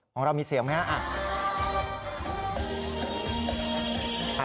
ของเรามีเสียงไหมฮะ